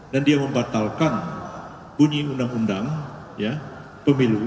dan dia membatalkan bunyi undang undang pemilu